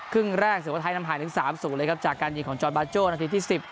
ครึ่งแรกสุโขทัยนำหายถึง๓๐เลยครับจากการยิงของจอร์นบาโจ้นาทีที่๑๐